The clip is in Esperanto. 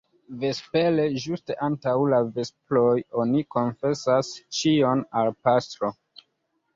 Vespere, ĝuste antaŭ la vesproj, oni konfesas ĉion al pastro.